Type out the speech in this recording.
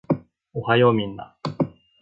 おはようみんな